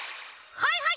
はいはい！